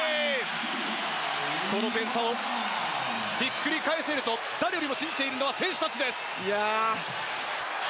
この点差をひっくり返せると誰よりも信じているのは選手たちです。